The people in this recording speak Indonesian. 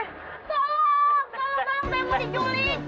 tolong tolong teteh mau diculik